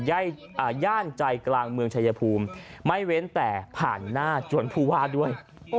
ย่านใจกลางเมืองชายภูมิไม่เว้นแต่ผ่านหน้าจวนผู้ว่าด้วย